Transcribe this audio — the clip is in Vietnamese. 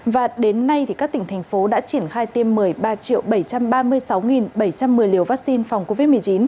và đến nay các tỉnh thành phố đã triển khai tiêm một mươi ba bảy trăm ba mươi sáu bảy trăm một mươi liều vaccine phòng covid một mươi chín